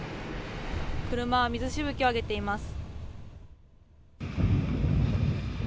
車は水しぶきを上げています。